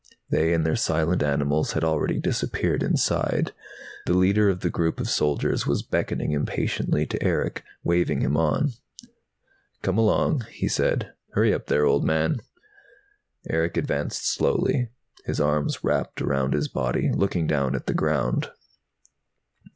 They and their silent animals had already disappeared inside. The leader of the group of soldiers was beckoning impatiently to Erick, waving him on. "Come along!" he said. "Hurry up there, old man." Erick advanced slowly, his arms wrapped around his body, looking down at the ground.